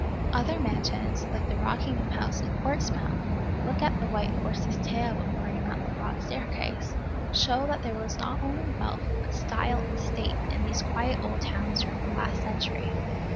Other mansions like the Rockingham House in Portsmouth (look at the white horse's tail before you mount the broad staircase) show that there was not only wealth, but style and state, in these quiet old towns during the last century.